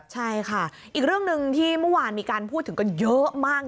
ใช่ค่ะอีกเรื่องหนึ่งที่เมื่อวานมีการพูดถึงกันเยอะมาก